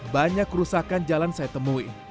banyak kerusakan jalan saya temui